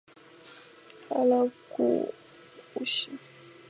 它替代了各种古希腊语方言并形成了一个能为众人理解的日常语言形式。